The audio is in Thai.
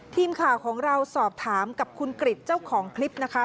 ทีมข่าวของเราสอบถามกับคุณกริจเจ้าของคลิปนะคะ